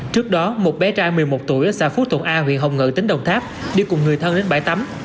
trước đó một bé trai một mươi một tuổi ở xã phú thuận a huyện hồng ngự tỉnh đồng tháp đi cùng người thân đến bãi tắm